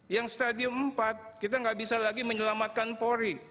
yang stadium empat kita nggak bisa lagi menyelamatkan polri